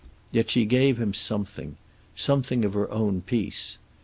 Yet she gave him something. Something of her own peace.